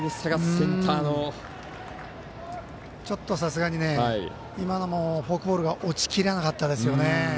ちょっと、さすがに今のもフォークボールが落ちきらなかったですね。